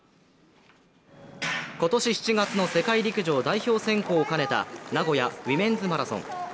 今年７月の世界陸上代表先行を兼ねた名古屋ウィメンズマラソン。